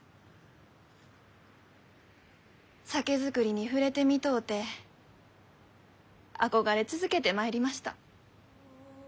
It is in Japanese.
酒造りに触れてみとうて憧れ続けてまいりました。